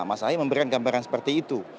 mas ahaya memberikan gambaran seperti itu